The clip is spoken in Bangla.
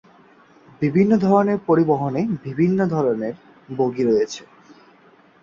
বিভিন্ন ধরনের পরিবহনে বিভিন্ন ধরনের বগি রয়েছে।